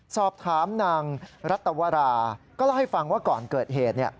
สอบถามนางรัตวราก็เล่าให้ฟังว่าก่อนเกิดเหตุ